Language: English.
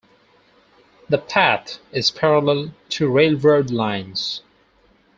The path is parallel to railroad lines.